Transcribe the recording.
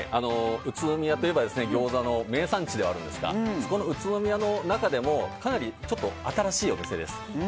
宇都宮といえば、ギョーザの名産地ではあるんですがそこの宇都宮の中でもかなり新しいお店です。